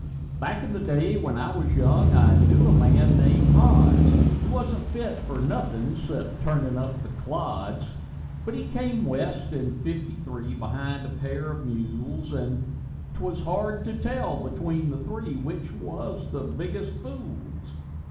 Back in the day when I was young, I knew a man named Hods; He wasn't fit fer nothin' 'cep turnin' up the clods. But he came west in fifty three, behind a pair of mules, And 'twas hard to tell between the three which was the biggest fools.